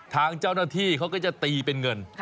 ทางเจ้าหน้าที่เขาก็จะตีเป็นเงิน